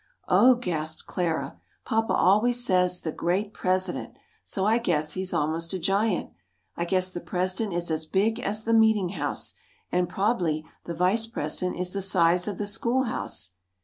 "Oh," gasped Clara, "Papa always says 'the great president' so I guess he's almost a giant. I guess the president is as big as the meeting house, and prob'ly the vice president is the size of the school house."